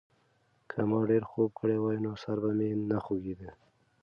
که ما ډېر خوب کړی وای، نو سر به مې نه خوږېده.